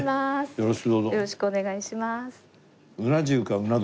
よろしくお願いします。